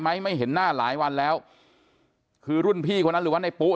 ไม่เห็นหน้าหลายวันแล้วคือรุ่นพี่คนนั้นหรือว่าในปุ๊